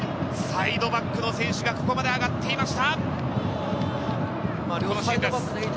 サイドバックの選手がここまで上がっていました。